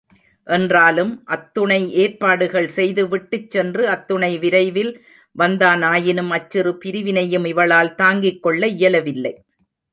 என்றாலும், அத்துணை ஏற்பாடுகள் செய்துவிட்டுச் சென்று, அத்துணை விரைவில் வந்தானாயினும், அச்சிறு பிரிவினையும் இவளால் தாங்கிக் கொள்ள இயலவில்லை.